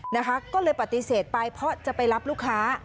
นะคะก็เลยปฏิเสธไปเพราะจะไปรับลูกค้า